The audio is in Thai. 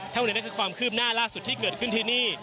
เท่านั้นก็คือความคืบหน้าล่าสุดที่เกิดขึ้นที่นี่